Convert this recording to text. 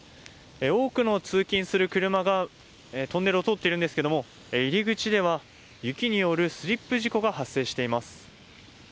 多くの通勤する車がトンネルを通っているんですけども入り口では雪によるスリップ事故が発生しています。